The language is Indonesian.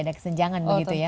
ada kesenjangan begitu ya